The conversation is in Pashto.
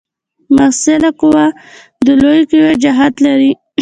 محصله قوه د لویې قوې جهت لري.